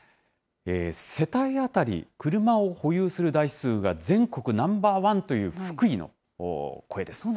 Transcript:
世帯当たり、車を保有する台数が全国ナンバー１という福井の声です。